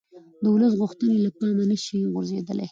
د ولس غوښتنې له پامه نه شي غورځېدلای